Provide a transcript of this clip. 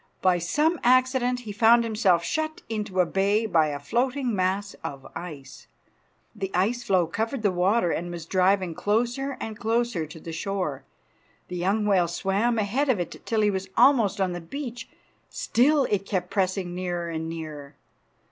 By some accident he found himself shut into a bay by a floating mass of ice. The ice floe covered the water and was driving closer and closer to the shore. The young whale swam ahead of it till he was almost on the beach. Still it kept pressing nearer and nearer.